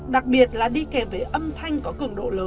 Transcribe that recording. đặc biệt là đi kèm với âm nhạc